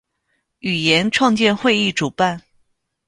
语言创建会议主办。